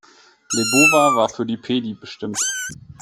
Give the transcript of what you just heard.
Lebowa war für die Pedi bestimmt.